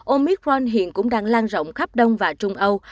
omitron hiện cũng đang lan rộng khắp đông và trung âu